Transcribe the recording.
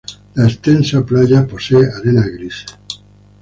La extensa playa posee arenas grises.